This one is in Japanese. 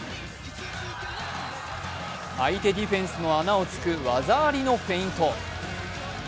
相手ディフェンスの穴をつく技ありのフェイント。